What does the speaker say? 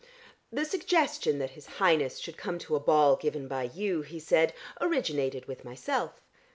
"The suggestion that his Highness should come to a ball given by you," he said, "originated with myself.